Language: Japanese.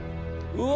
うわ。